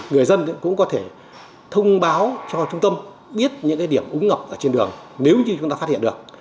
người dân cũng có thể thông báo cho trung tâm biết những điểm ứng gặp trên đường nếu như chúng ta phát hiện được